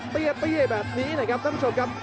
ก็เตี้ยแบบนี้แหละครับถ้ำ๑๙๖๑กัน